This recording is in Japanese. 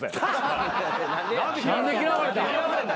何で嫌われたん？